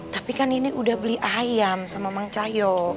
tapi kan ini udah beli ayam sama mang cahyo